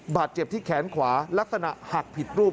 บาดเจ็บที่แขนขวาลักษณะหักผิดรูป